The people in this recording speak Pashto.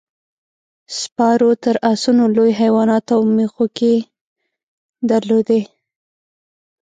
سپارو تر اسونو لوی حیوانات او مښوکې درلودې.